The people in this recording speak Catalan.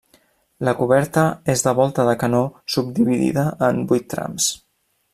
La coberta és de volta de canó subdividida en vuit trams.